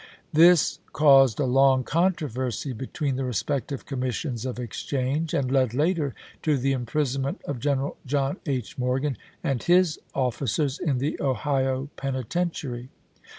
This caused a long controversy between the respective commissions of exchange, and led later to the imprisonment of General John H. Morgan and his officers in the Ohio penitentiary.